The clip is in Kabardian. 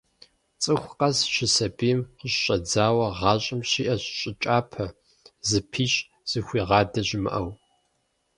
Цӏыху къэс, щысабийм къыщыщӏэдзауэ, гъащӏэм щиӏэщ щӏы кӏапэ, зыпищӏ, зыхуигъадэ щымыӏэу.